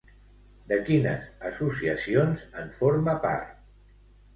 De quines associacions en forma part?